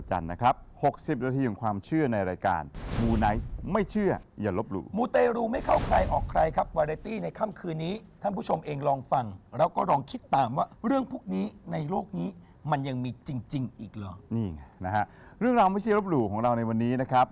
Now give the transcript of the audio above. เรื่องราวไม่ใช่รบหลู่ของเราในวันนี้นะครับ